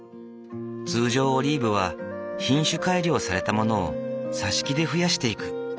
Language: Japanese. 通常オリーブは品種改良されたものを挿し木で増やしていく。